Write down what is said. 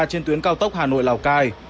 trên tuyến cao tốc hà nội lào cai